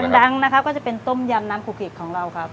ดังนะครับก็จะเป็นต้มยำน้ำกุกิของเราครับ